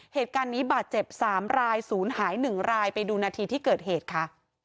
เหตุการณ์นี้บาดเจ็บ๓รายศูนย์หาย๑รายไปดูนาทีที่เกิดเหตุค่ะ